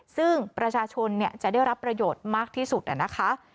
ซึ่งประชาชนจะได้รับประโยชน์มากที่สุดนะคะ